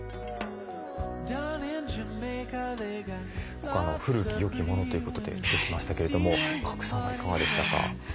今回古き良きものということで見てきましたけれども賀来さんはいかがでしたか？